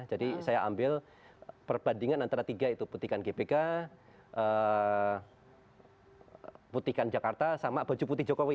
jadi saya ambil perbandingan antara tiga itu putihkan gbk putihkan jakarta sama baju putih jokowi